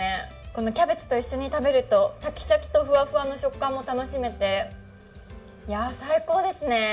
このキャベツと一緒に食べるとシャキシャキとふわふわの食感も楽しめて最高ですね。